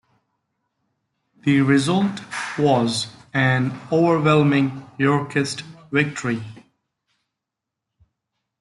The result was an overwhelming Yorkist victory.